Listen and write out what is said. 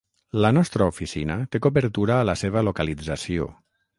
La nostra oficina té cobertura a la seva localització.